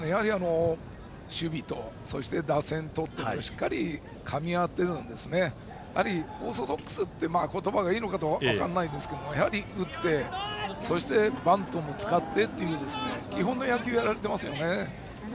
守備と打線としっかりかみ合ってオーソドックスという言葉がいいか分かりませんがやはり打ってそしてバントも使ってという基本の野球をやられていますよね。